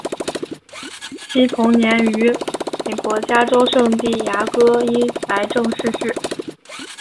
惜同年于美国加州圣地牙哥因癌症逝世。